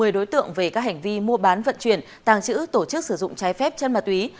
một mươi đối tượng về các hành vi mua bán vận chuyển tàng trữ tổ chức sử dụng trái phép chân ma túy